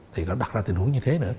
thì nó đặt ra tình huống như thế nữa